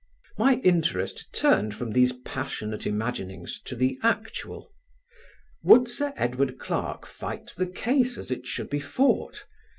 My interest turned from these passionate imaginings to the actual. Would Sir Edward Clarke fight the case as it should be fought?